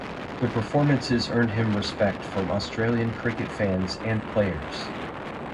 The performances earned him respect from Australian cricket fans and players.